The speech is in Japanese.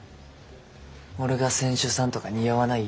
俺が船主さんとか似合わない？